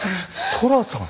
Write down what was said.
寅さん！？